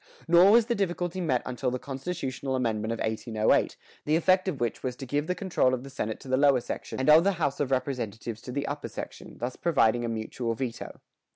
Nor was the difficulty met until the constitutional amendment of 1808, the effect of which was to give the control of the senate to the lower section and of the house of representatives to the upper section, thus providing a mutual veto.